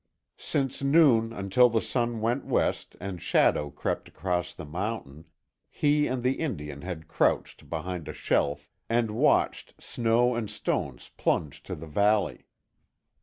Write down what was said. Since noon until the sun went west and shadow crept across the mountain, he and the Indian had crouched behind a shelf and watched snow and stones plunge to the valley.